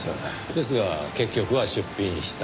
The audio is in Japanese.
ですが結局は出品した。